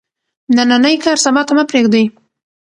نننی کار سبا ته مه پریږدئ.